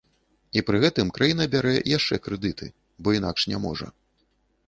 І пры гэтым краіна бярэ яшчэ крэдыты, бо інакш не можа.